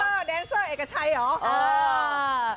แดนเซอร์เอกชัยเหรอ